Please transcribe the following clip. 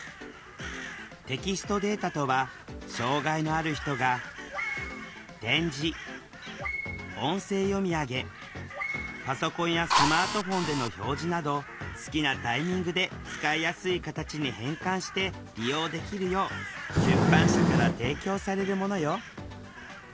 テキストデータとは障害のある人が点字音声読み上げパソコンやスマートフォンでの表示など好きなタイミングで使いやすい形に変換して利用できるよう出版社から提供されるものよ。